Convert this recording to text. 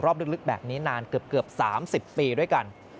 ลึกแบบนี้นานเกือบ๓๐ปีด้วยกัน